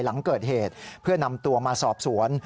หลังเกิดเหตุเพื่อนำตัวมาสอบสวน